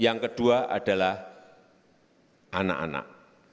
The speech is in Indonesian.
yang kedua adalah anak anak